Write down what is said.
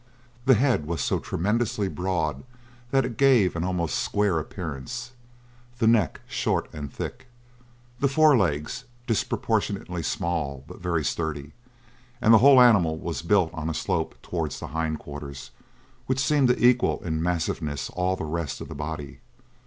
The head was so tremendously broad that it gave an almost square appearance, the neck, short and thick, the forelegs disproportionately small but very sturdy; and the whole animal was built on a slope towards the hind quarters which seemed to equal in massiveness all the rest of the body.